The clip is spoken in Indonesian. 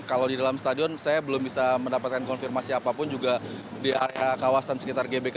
kalau di dalam stadion saya belum bisa mendapatkan konfirmasi apapun juga di area kawasan sekitar gbk